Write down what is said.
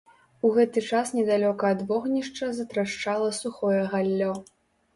У гэты час недалёка ад вогнішча затрашчала сухое галлё.